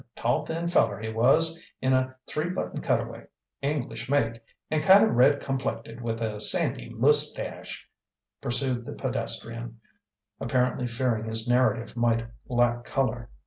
Tall, thin feller he was, in a three button cutaway, English make, and kind of red complected, with a sandy MUS tache," pursued the pedestrian, apparently fearing his narrative might lack colour.